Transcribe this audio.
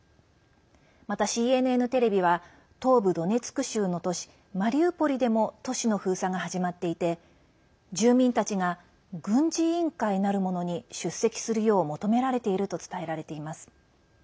またＣＮＮテレビは東部ドネツク州の都市マリウポリでも都市の封鎖が始まっていて住民たちが軍事委員会なるものに出席するよう求められていると伝えられています。